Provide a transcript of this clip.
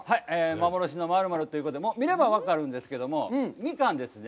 幻の○○ということで、見れば分かるんですけれども、ミカンですね。